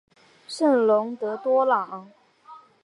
圣龙德多朗。